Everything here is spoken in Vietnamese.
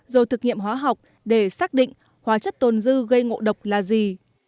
rồi thực nghiệm hóa học để xác định hóa chất tồn dư gây ngộ độc là gì